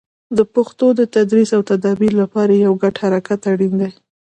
د پښتو د تدریس او تدابیر لپاره یو ګډ حرکت اړین دی.